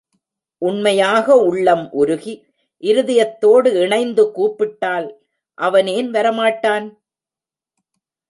உண்மையாக உள்ளம் உருகி, இருதயத்தோடு இணைந்து கூப்பிட்டால் அவன் ஏன் வர மாட்டான்?